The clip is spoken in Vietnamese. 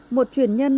một chuyển nhân